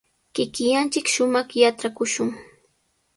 Kikillanchik shumaq yatrakushun.